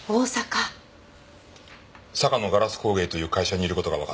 坂野硝子工芸という会社にいる事がわかった。